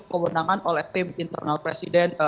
kewenangan oleh tim internal presiden